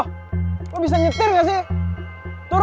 padahal kan gue udah seneng banget dengan kabar mereka tuh udah putus